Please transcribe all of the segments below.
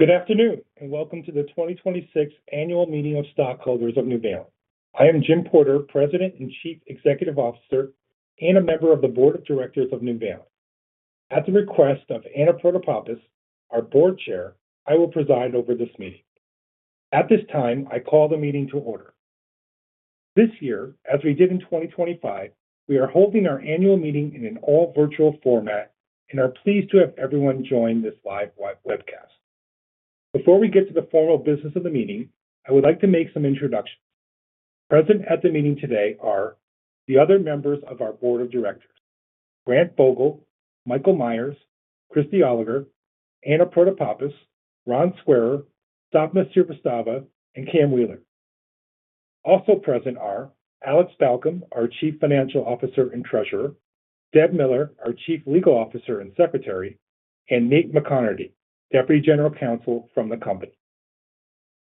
Good afternoon, welcome to the 2026 Annual Meeting of Stockholders of Nuvalent. I am Jim Porter, President and Chief Executive Officer, and a member of the Board of Directors of Nuvalent. At the request of Anna Protopapas, our Board Chair, I will preside over this meeting. At this time, I call the meeting to order. This year, as we did in 2025, we are holding our annual meeting in an all virtual format and are pleased to have everyone join this live webcast. Before we get to the formal business of the meeting, I would like to make some introductions. Present at the meeting today are the other members of our Board of Directors, Grant Bogle, Michael Meyers, Christy Oliger, Anna Protopapas, Ron Squarer, Sapna Srivastava, and Cam Wheeler. Also present are Alexandra Balcom, our Chief Financial Officer and Treasurer, Deborah Miller, our Chief Legal Officer and Secretary, and Nathan McConarty, Deputy General Counsel from the company.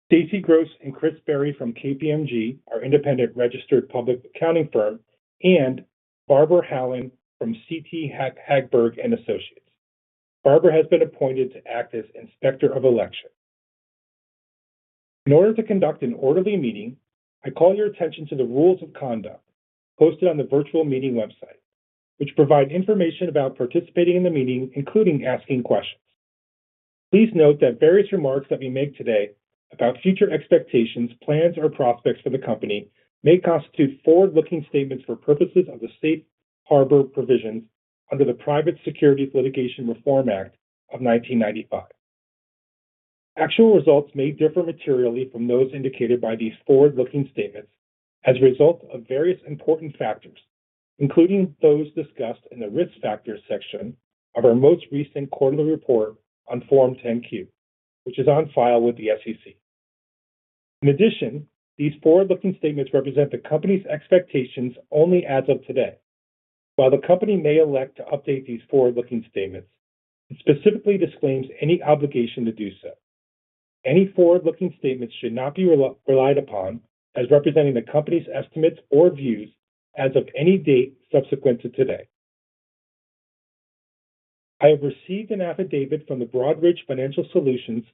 Stacy Gross and Chris Berry from KPMG, our independent registered public accounting firm, and Barbara Hallen from CT Hagberg and Associates. Barbara has been appointed to act as Inspector of Election. In order to conduct an orderly meeting, I call your attention to the rules of conduct posted on the virtual meeting website, which provide information about participating in the meeting, including asking questions. Please note that various remarks that we make today about future expectations, plans, or prospects for the company may constitute forward-looking statements for purposes of the safe harbor provisions under the Private Securities Litigation Reform Act of 1995. Actual results may differ materially from those indicated by these forward-looking statements as a result of various important factors, including those discussed in the Risk Factors section of our most recent quarterly report on Form 10-Q, which is on file with the SEC. In addition, these forward-looking statements represent the company's expectations only as of today. While the company may elect to update these forward-looking statements, it specifically disclaims any obligation to do so. Any forward-looking statements should not be relied upon as representing the company's estimates or views as of any date subsequent to today. I have received an affidavit from Broadridge Financial Solutions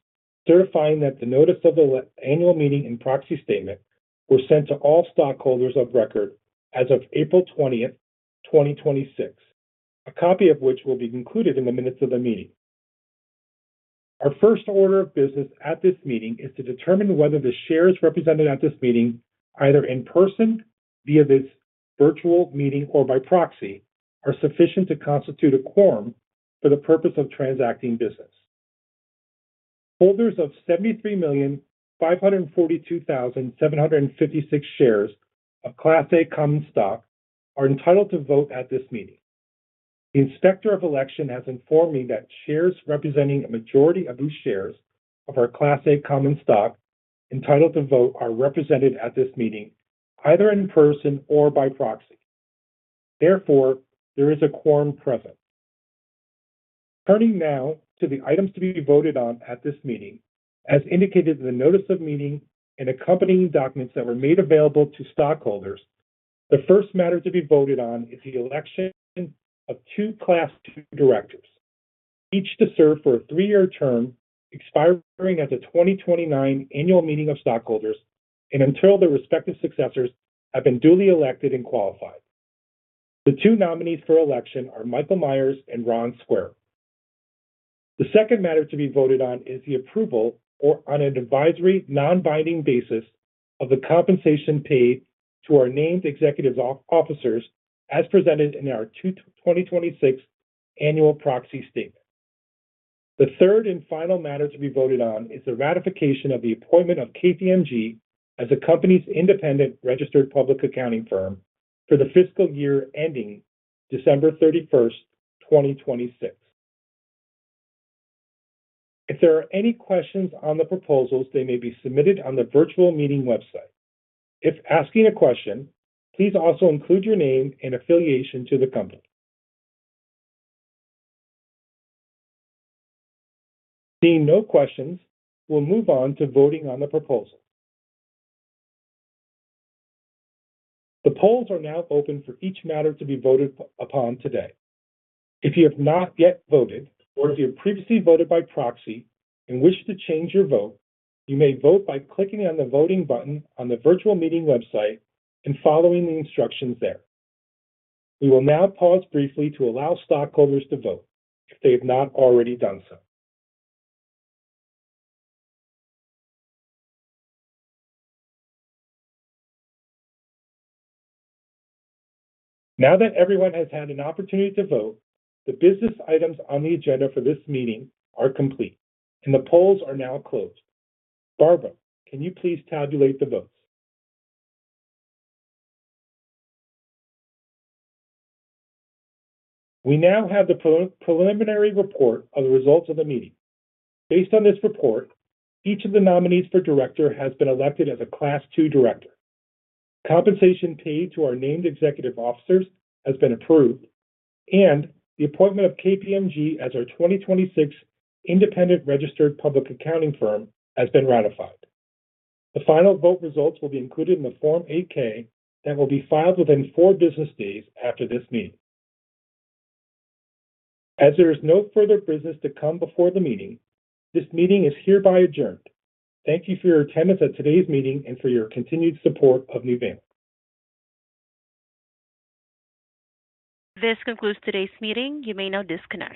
certifying that the notice of the annual meeting and proxy statement were sent to all stockholders of record as of April 20, 2026, a copy of which will be included in the minutes of the meeting. Our first order of business at this meeting is to determine whether the shares represented at this meeting, either in person, via this virtual meeting, or by proxy, are sufficient to constitute a quorum for the purpose of transacting business. Holders of 73,542,756 shares of Class A common stock are entitled to vote at this meeting. The Inspector of Election has informed me that shares representing a majority of the shares of our Class A common stock entitled to vote are represented at this meeting, either in person or by proxy. Therefore, there is a quorum present. Turning now to the items to be voted on at this meeting. As indicated in the notice of meeting and accompanying documents that were made available to stockholders, the first matter to be voted on is the election of two Class 2 directors, each to serve for a three-year term expiring at the 2029 Annual Meeting of Stockholders and until their respective successors have been duly elected and qualified. The two nominees for election are Michael Meyers and Ron Swarer. The second matter to be voted on is the approval, on an advisory non-binding basis, of the compensation paid to our named executive officers as presented in our 2026 annual proxy statement. The third and final matter to be voted on is the ratification of the appointment of KPMG as the company's independent registered public accounting firm for the fiscal year ending December 31, 2026. If there are any questions on the proposals, they may be submitted on the virtual meeting website. If asking a question, please also include your name and affiliation to the company. Seeing no questions, we'll move on to voting on the proposal. The polls are now open for each matter to be voted upon today. If you have not yet voted, or if you have previously voted by proxy and wish to change your vote, you may vote by clicking on the voting button on the virtual meeting website and following the instructions there. We will now pause briefly to allow stockholders to vote if they have not already done so. Now that everyone has had an opportunity to vote, the business items on the agenda for this meeting are complete, and the polls are now closed. Barbara, can you please tabulate the votes? We now have the preliminary report of the results of the meeting. Based on this report, each of the nominees for director has been elected as a Class 2 director. Compensation paid to our named executive officers has been approved, and the appointment of KPMG as our 2026 independent registered public accounting firm has been ratified. The final vote results will be included in the Form 8-K that will be filed within four business days after this meeting. As there is no further business to come before the meeting, this meeting is hereby adjourned. Thank you for your attendance at today's meeting and for your continued support of Nuvalent. This concludes today's meeting. You may now disconnect.